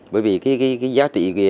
bởi vì cái giá trị